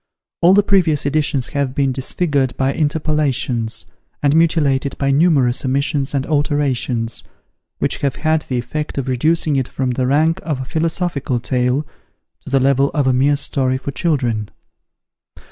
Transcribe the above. All the previous editions have been disfigured by interpolations, and mutilated by numerous omissions and alterations, which have had the effect of reducing it from the rank of a Philosophical Tale, to the level of a mere story for children.